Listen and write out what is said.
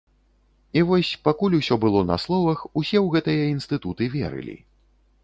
І вось, пакуль усё было на словах, усе ў гэтыя інстытуты верылі.